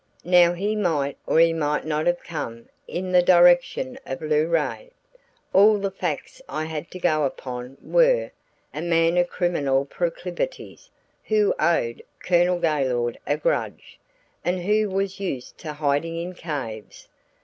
Now he might or he might not have come in the direction of Luray. All the facts I had to go upon were, a man of criminal proclivities, who owed Colonel Gaylord a grudge, and who was used to hiding in caves.